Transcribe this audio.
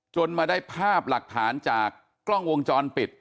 มาได้ภาพหลักฐานจากกล้องวงจรปิด